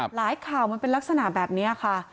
หลายข่าวมันเป็นลักษณะแบบนี้ค่ะ